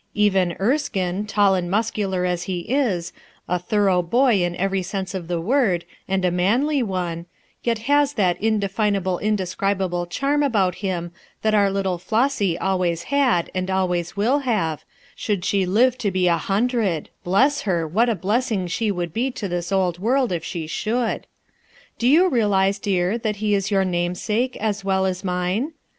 Even Erskine, tall and muscular as he is, a thorough boy in every sense of the word, and a manly 280 A LOYAL HEART 2S1 one, yet has that indefinable indescribable charm about him that our little Flossy always had and always will have, should she live to be a hundred, bless her 1 what a blessing she would be to this old world if sho should. Do y ou realize, dear, that he is your namesake, as well as mine